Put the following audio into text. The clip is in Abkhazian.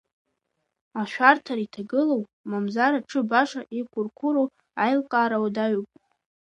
Ашәарҭара иҭагылоу, мамзар аҽы баша иқәырқәыру аилкаара уадаҩуп.